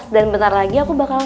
dua belas dan bentar lagi aku bakal